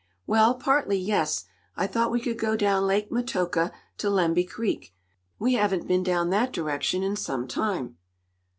"Well, partly, yes. I thought we could go down Lake Metoka to Lemby Creek. We haven't been down that direction in some time."